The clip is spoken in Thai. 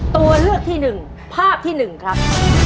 ตัวเลือกที่๑ภาพที่๑ครับ